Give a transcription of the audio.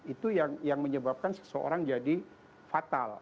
itu yang menyebabkan seseorang jadi fatal